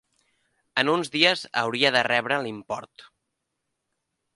En uns dies hauria de rebre l'import.